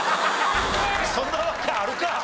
そんなわけあるか！